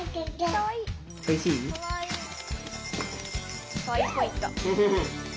かわいいポイント。